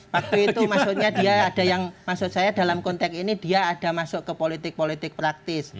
waktu itu maksudnya dia ada yang maksud saya dalam konteks ini dia ada masuk ke politik politik praktis